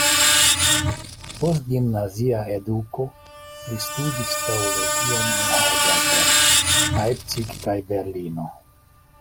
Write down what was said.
Post gimnazia eduko li studis teologion en Heidelberg, Leipzig kaj Berlino.